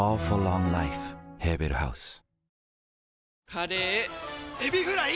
カレーエビフライ！